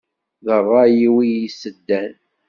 Ad ṛṛay-iw i yiseddan.